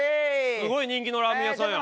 すごい人気のラーメン屋さんや。